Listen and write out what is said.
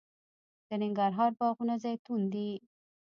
د ننګرهار باغونه زیتون دي